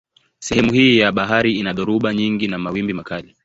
Sehemu hii ya bahari ina dhoruba nyingi na mawimbi makali.